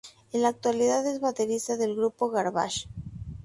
En la actualidad es baterista del grupo Garbage.